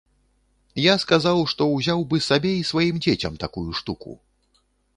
Я сказаў, што ўзяў бы сабе і сваім дзецям такую штуку.